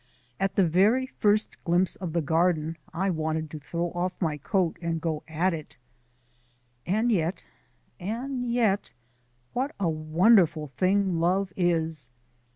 At the very first glimpse of the garden I wanted to throw off my coat and go at it. And yet and yet what a wonderful thing love is!